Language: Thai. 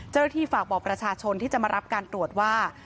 เจ้าหน้าที่ฝากบอกประชาชนที่จะมารับการตรวจว่า